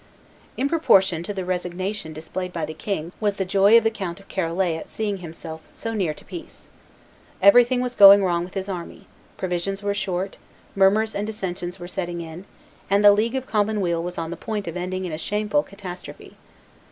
In proportion to the resignation displayed by the king was the joy of the Count of Charolais at seeing himself so near to peace. Everything was going wrong with his army; provisions were short; murmurs and dissensions were setting in; and the League of common weal was on the point of ending in a shameful catastrophe.